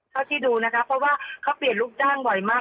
เท่าที่ดูนะคะเพราะว่าเขาเปลี่ยนลูกจ้างบ่อยมาก